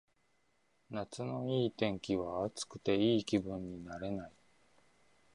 夏のいい天気は暑くていい気分になれない